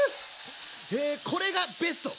へこれがベスト⁉